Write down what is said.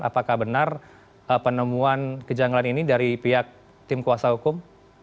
apakah benar penemuan kejanggalan ini dari pihak tim kuasa hukum